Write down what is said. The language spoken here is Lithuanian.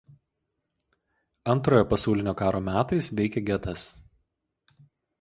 Antrojo pasaulinio karo metais veikė getas.